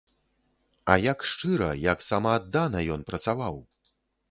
А як шчыра, як самааддана ён працаваў!